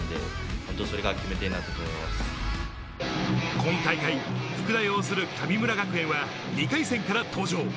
今大会、福田を擁する神村学園は２回戦から登場。